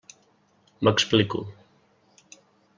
M'explico.